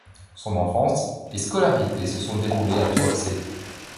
Son enfance et scolarité se sont déroulées à Touapsé.